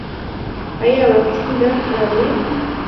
ایا واکسین درد راوړي؟